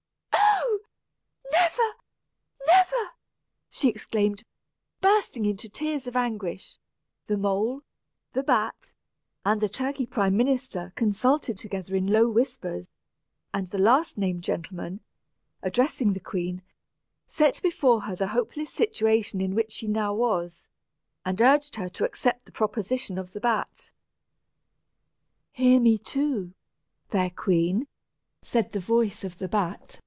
"Oh! never, never," she exclaimed, bursting again into tears of anguish. The mole, the bat and the turkey prime minister consulted together in low whispers; and the last named gentleman, addressing the queen, set before her the hopeless situation in which she now was, and urged her to accept the proposition of the bat. "Hear me, too, fair queen," said the voice of the bat.